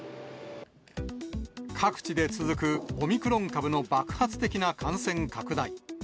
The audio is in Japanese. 各地で続くオミクロン株の爆発的な感染拡大。